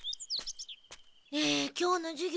ねえ今日の授業